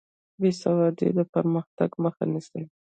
بې سوادي د پرمختګ مخه نیسي.